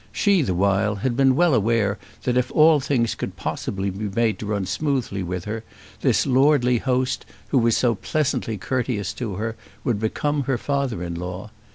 She, the while, had been well aware that if all things could possibly be made to run smoothly with her, this lordly host, who was so pleasantly courteous to her, would become her father in law.